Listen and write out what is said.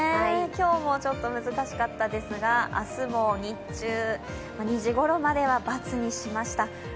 今日もちょっと難しかったですが、明日も日中２時ごろまでは×にしました。